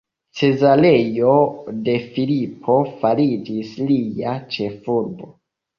Cezareo de Filipo fariĝis lia ĉefurbo.